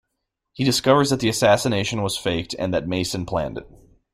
He discovers that the assassination was faked and that Mason planned it.